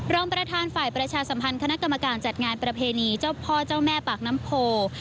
รองประธานฝ่ายประชาสัมพันธ์คณะกรรมการจัดงานประเพณีเจ้าพ่อเจ้าแม่ปากน้ำโพ